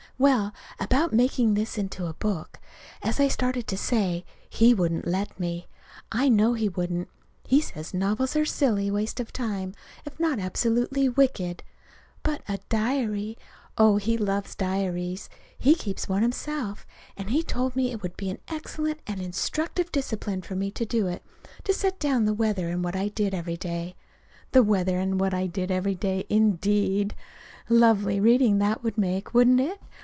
Well, about making this into a book. As I started to say, he wouldn't let me. I know he wouldn't. He says novels are a silly waste of time, if not absolutely wicked. But, a diary oh, he loves diaries! He keeps one himself, and he told me it would be an excellent and instructive discipline for me to do it, too set down the weather and what I did every day. The weather and what I did every day, indeed! Lovely reading that would make, wouldn't it?